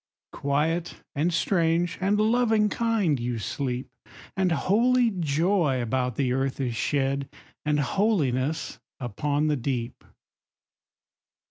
Quiet, and strange, and loving kind, you sleep. And holy joy about the earth is shed; And holiness upon the deep.